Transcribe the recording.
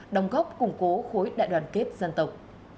đồng góp củng cố khối đại đoàn kết dân tộc